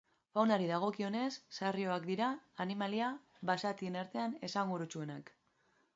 Faunari dagokionez, sarrioak dira animalia basatien artean esanguratsuenak.